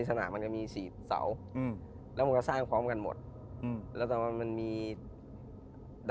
ตะลองสนามได้ต่อ